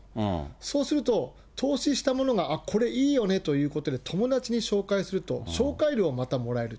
そうすると、投資した者が、あっ、これ、いいよねということで、友達に紹介すると、紹介料をまたもらえる。